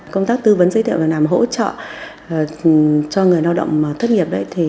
công tác tư vấn giới thiệu việc làm hỗ trợ cho người lao động thất nghiệp